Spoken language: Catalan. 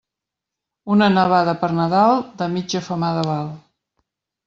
Una nevada per Nadal, de mitja femada val.